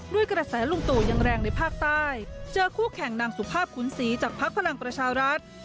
ด้วยกระแสลุงตู่ยังแรงในภาคใต้เจอคู่แข่งนางสุภาพขุนศรีจากภักดิ์พลังประชารัฐ